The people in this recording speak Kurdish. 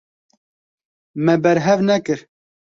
Me berhev nekir.